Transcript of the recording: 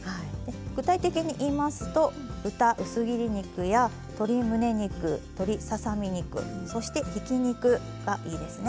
具体的に言いますと豚薄切り肉や鶏むね肉鶏ささ身肉そしてひき肉がいいですね。